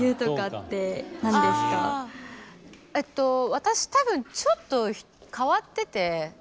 私たぶんちょっと変わってて。